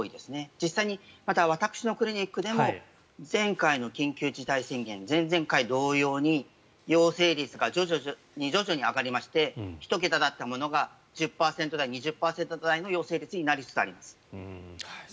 実際に、私のクリニックでも前回の緊急事態宣言前々回同様に陽性率が徐々に徐々に上がりまして１桁だったものが１０％台２０％台の陽性率になりつつあります。